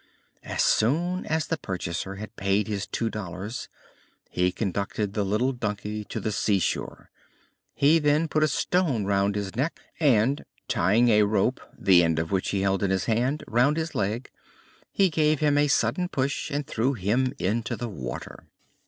As soon as the purchaser had paid his two dollars he conducted the little donkey to the seashore. He then put a stone round his neck and, tying a rope, the end of which he held in his hand, round his leg, he gave him a sudden push and threw him into the water.